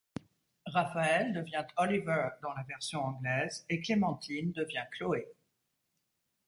Raphaël devient Oliver dans la version anglaise, et Clémentine devient Chloé.